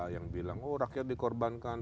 yang bilang oh rakyat dikorbankan